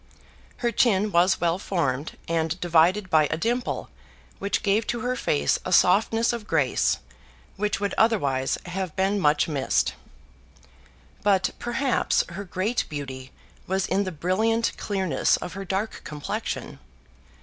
Her chin was well formed, and divided by a dimple which gave to her face a softness of grace which would otherwise have been much missed. But perhaps her great beauty was in the brilliant clearness of her dark complexion.